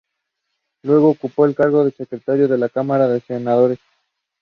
He published articles in opposition magazines such as "Tygodnik Mazowsze".